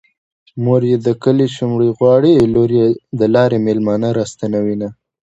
مور يې د کلي شومړې غواړي لور يې د لارې مېلمانه راستنوينه